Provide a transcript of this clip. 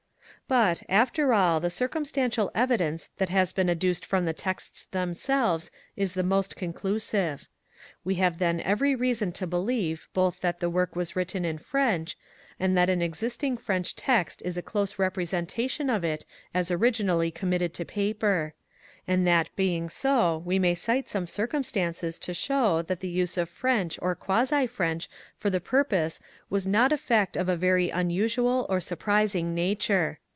54. But, after all, the circumstantial evidence that has been adduced from the texts themselves is the most conclusive. We Greatly liavo tlicn evcry reason to believe both that the work diffused em ployment of was written in French, and that an existing French French m __"^ that age. Text is a close representation of it as originally com mitted to paper. And that being so we may cite some circumstances to show that the use of French or quasi French for the purpose was not a fact of a very unusual or surprising nature.